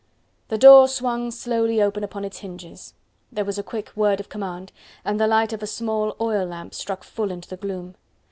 The door swung slowly open upon its hinges: there was a quick word of command, and the light of a small oil lamp struck full into the gloom.